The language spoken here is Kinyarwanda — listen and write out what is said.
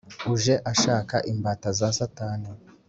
uje ashaka imbata za satani,